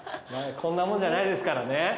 こんなもんじゃないですからね。